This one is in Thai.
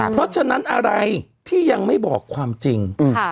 เพราะฉะนั้นอะไรที่ยังไม่บอกความจริง